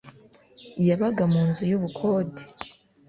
Yabaga munzu y’ubukode